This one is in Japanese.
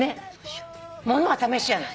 物は試しじゃない。